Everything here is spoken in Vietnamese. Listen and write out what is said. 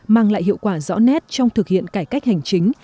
mang lại hiệu quả rõ nét trong thực hiện cải cách hành chính